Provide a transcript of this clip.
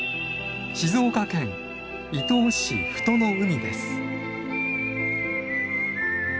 静岡県伊東市富戸の海です。